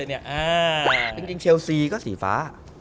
เซียโอซีก็สีฟ้า